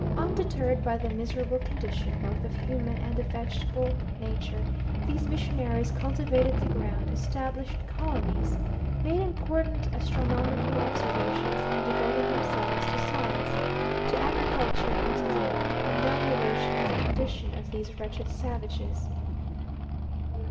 Undeterred by the miserable condition both of human and of vegetable nature, these missionaries cultivated the ground, established colonies, made important astronomical observations, and devoted themselves to science, to agriculture, and to the amelioration of the condition of these wretched savages.